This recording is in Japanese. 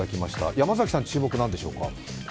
山崎さん、注目なんでしょうか？